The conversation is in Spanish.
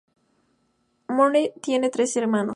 Monroe tiene tres hermanos.